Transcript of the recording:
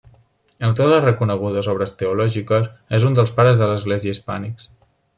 Autor de reconegudes obres teològiques, és un dels Pares de l'Església hispànics.